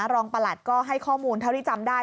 ประหลัดก็ให้ข้อมูลเท่าที่จำได้